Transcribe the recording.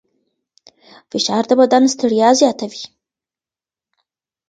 فشار د بدن ستړیا زیاتوي.